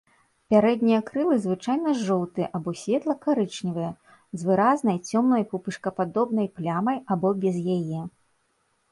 Пярэднія крылы звычайна жоўтыя або светла-карычневыя, з выразнай цёмным пупышкападобнай плямай або без яе.